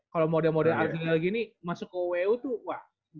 kalau model model azriel gini masuk ke ueu tuh wah gue pikir dominan juga